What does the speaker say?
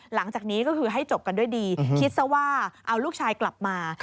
หลังจากนี้ก็คือให้จบกันด้วยดีคิดซะว่าเอาลูกชายกลับมา